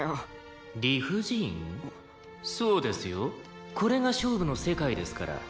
「そうですよこれが勝負の世界ですから」